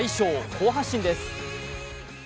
好発進です。